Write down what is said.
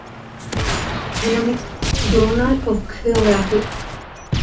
Economic Journal of Geography.